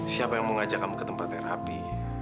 siapa yang mau ngajak kamu ke tempat terapi